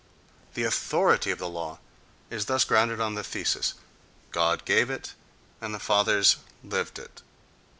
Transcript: The authority of the law is thus grounded on the thesis: God gave it, and the fathers lived it.